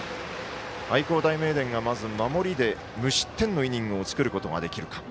愛工大名電が、まず守りで無失点のイニングを作ることができるか。